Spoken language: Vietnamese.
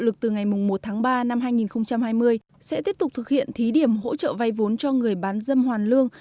lực từ ngày một tháng ba năm hai nghìn hai mươi sẽ tiếp tục thực hiện thí điểm hỗ trợ vay vốn cho người bán dâm hoàn lương